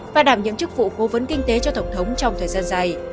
và đảm những chức vụ vô vấn kinh tế cho tổng thống trong thời gian dài